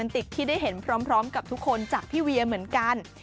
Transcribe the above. ติกที่ได้เห็นพร้อมกับทุกคนจากพี่เวียเหมือนกัน